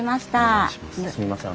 すみません